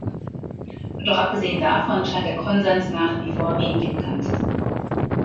Doch abgesehen davon scheint der Konsens nach wie vor wenig bekannt zu sein.